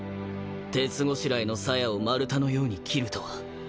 鉄ごしらえのさやを丸太のように斬るとは。